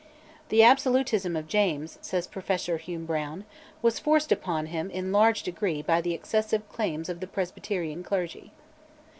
"The absolutism of James," says Professor Hume Brown, "was forced upon him in large degree by the excessive claims of the Presbyterian clergy."